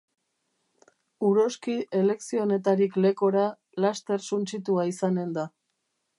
Uroski elekzionetarik lekora laster suntsitua izanen da.